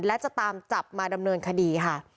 และจะตามจับมาดำเนินคดีค่ะ